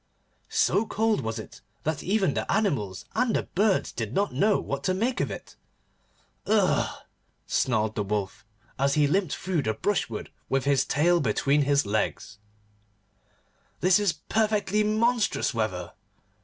So cold was it that even the animals and the birds did not know what to make of it. 'Ugh!' snarled the Wolf, as he limped through the brushwood with his tail between his legs, 'this is perfectly monstrous weather.